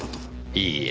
いいえ。